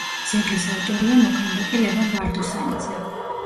ძეგლის ავტორია მოქანდაკე ლევან ვარდოსანიძე.